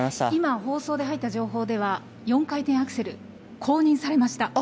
今、放送で入った情報では４回転アクセル公認されました。